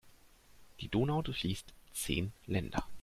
Die Donau durchfließt zehn Länder.